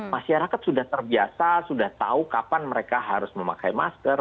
masyarakat sudah terbiasa sudah tahu kapan mereka harus memakai masker